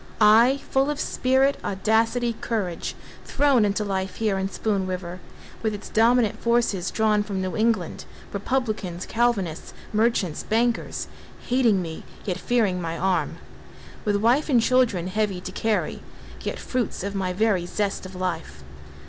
I, full of spirit, audacity, courage Thrown into life here in Spoon River, With its dominant forces drawn from New England, Republicans, Calvinists, merchants, bankers, Hating me, yet fearing my arm. With wife and children heavy to carry— Yet fruits of my very zest of life.